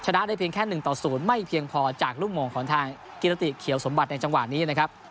ได้เพียงแค่๑ต่อ๐ไม่เพียงพอจากลูกโมงของทางกิรติเขียวสมบัติในจังหวะนี้นะครับ